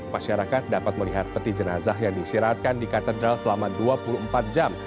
masyarakat dapat melihat peti jenazah yang disiratkan di katedral selama dua puluh empat jam